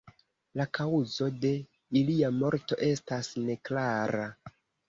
La kaŭzo de ilia morto estas neklara.